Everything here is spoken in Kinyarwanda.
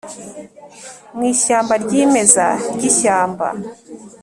mu ishyamba ryimeza ryishyamba: